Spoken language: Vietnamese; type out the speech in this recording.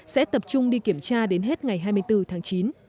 sẽ tập trung đi kiểm tra đến hết ngày hai mươi bốn tháng chín